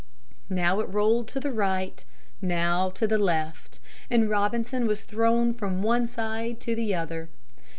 Now it rolled to the right, now to the left. And Robinson was thrown from one side to the other.